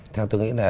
theo tôi nghĩ là